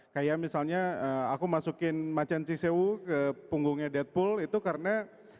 kayak misalnya aku masukin macan cisewu ke punggungnya deadpool itu karena